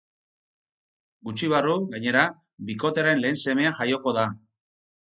Gutxi barru, gainera, bikotearen lehen semea jaioko da.